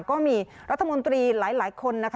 ก็มีรัฐมนตรีหลายคน